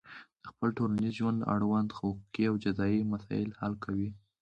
د خپل ټولنیز ژوند اړوند حقوقي او جزایي مسایل حل کوي.